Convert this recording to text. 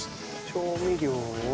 調味料は。